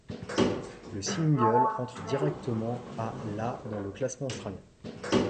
Le single entre directement à la dans le classement australien.